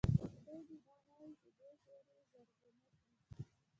خدای دې دا ناوې په دوی پورې زرغونه کړي.